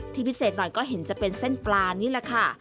พิเศษหน่อยก็เห็นจะเป็นเส้นปลานี่แหละค่ะ